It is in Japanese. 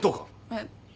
えっ？